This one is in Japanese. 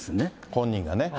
本人がね。